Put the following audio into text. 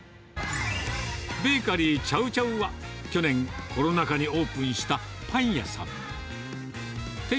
ベーカリーチャウチャウは、去年、コロナ禍にオープンしたパン屋さん。